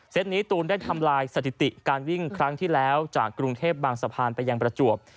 นี้ตูนได้ทำลายสถิติการวิ่งครั้งที่แล้วจากกรุงเทพบางสะพานไปยังประจวบ